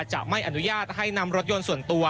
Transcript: จะไม่อนุญาตให้นำรถยนต์ส่วนตัว